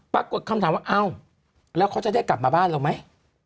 ปรากฏคำถามว่าเอ้าแล้วเขาจะได้กลับมาบ้านเราไหม